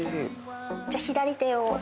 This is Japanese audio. じゃあ左手を。